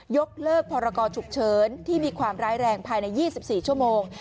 ยกเลิกพรกรฉุกเฉินที่มีความร้ายแรงภายใน๒๔ชั่วโมง